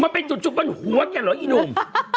มันเป็นจุดมันดูแหวนหัวแกเหรออีนุ่ม